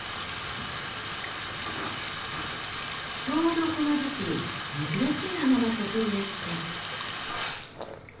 ちょうどこの時期珍しい花が咲くんですって。